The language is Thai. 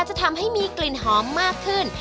จะทำให้มีกลิ่นหอมมากขึ้น